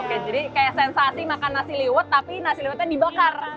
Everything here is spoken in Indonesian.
oke jadi kayak sensasi makan nasi liwet tapi nasi liwetnya dibakar